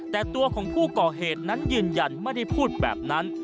แต่ตัวของผู้ก่อเหตุนั้นยืนยันไม่ได้พูดแบบนั้น